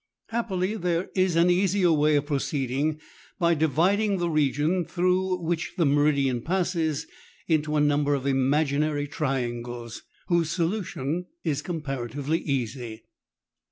Happily, there is an easier way of proceeding by dividing the region through which the meridian passes into a number of imaginary triangles, whose solution is comparatively easy.